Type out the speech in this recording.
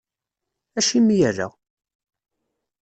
Acimi ala?